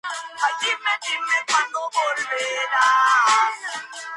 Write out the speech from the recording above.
El hotel cambió el nombre a "Hotel Real Hawaiano".